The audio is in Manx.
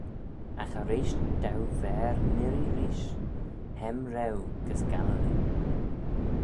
Agh erreish dou v'er n'irree reesht, hem reue gys Galilee.